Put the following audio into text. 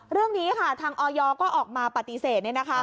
เรื่องนี้ค่ะทางออยก็ออกมาปฏิเสธ